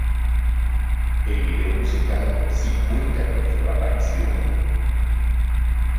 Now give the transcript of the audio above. El video musical sí cuenta con su aparición.